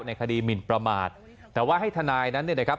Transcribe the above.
คดีหมินประมาทแต่ว่าให้ทนายนั้นเนี่ยนะครับ